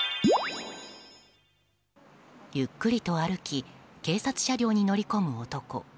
ゆっくりと歩き警察車両に乗り込む男。